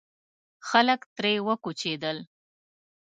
خلک ترې وکوچېدل.